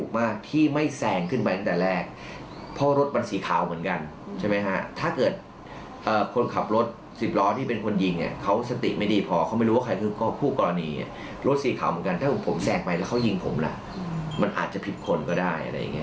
มันอาจจะผิดคนก็ได้อะไรอย่างนี้